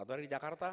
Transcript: satu hari di jakarta